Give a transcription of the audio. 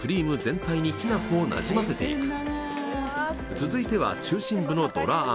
続いては中心部のどら餡。